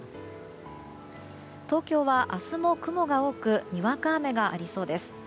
東京は明日も雲が多くにわか雨がありそうです。